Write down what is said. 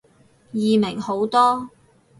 易明好多